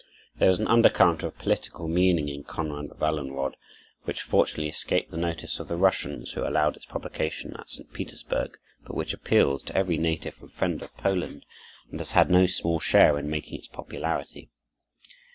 There is an undercurrent of political meaning in "Konrad Wallenrod," which fortunately escaped the notice of the Russians, who allowed its publication at St. Petersburg, but which appeals to every native and friend of Poland and has had no small share in making its popularity.